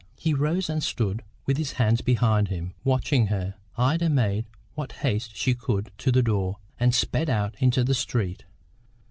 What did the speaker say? He rose and stood with his hands behind him, watching her. Ida made what haste she could to the door, and sped out into the street.